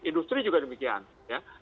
industri juga demikian ya